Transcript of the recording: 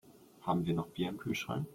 Haben wir noch Bier im Kühlschrank?